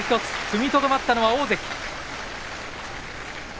踏みとどまったのは大関。